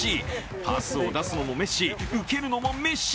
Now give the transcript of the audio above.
パスを出すのもメッシ受けるのもメッシ。